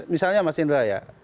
misalnya mas indra ya